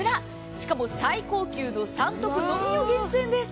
しかも最高級の３特のみを厳選です。